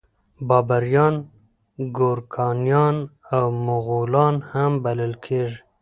بابریان ګورکانیان او مغولان هم بلل کیږي.